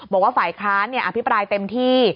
บอกว่าฝ่ายค้านอภิปรายเต็มที่